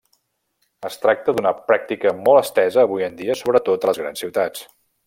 Es tracta d'una pràctica molt estesa avui en dia, sobretot a les grans ciutats.